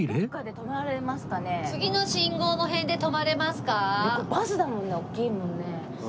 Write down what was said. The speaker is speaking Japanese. これバスだもんね大きいもんね。